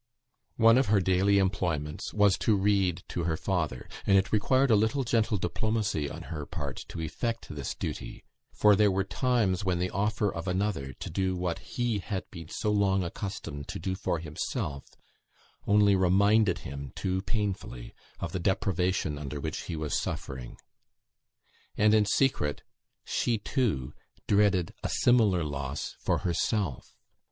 One of her daily employments was to read to her father, and it required a little gentle diplomacy on her part to effect this duty; for there were times when the offer of another to do what he had been so long accustomed to do for himself, only reminded him too painfully of the deprivation under which he was suffering. And, in secret, she, too, dreaded a similar loss for herself.